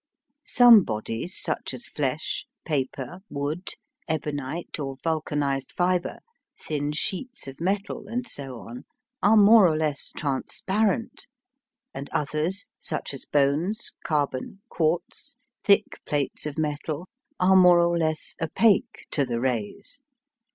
Some bodies, such as flesh, paper, wood, ebonite, or vulcanised fibre, thin sheets of metal, and so on, are more or less transparent, and others, such as bones, carbon, quartz, thick plates of metal, are more or less opaque to the rays.